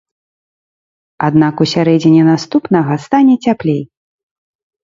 Аднак у сярэдзіне наступнага стане цяплей.